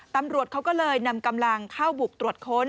ตำรวจเขาก็เลยนำกำลังเข้าบุกตรวจค้น